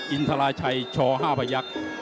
อินทราชัยช๕พยักษ์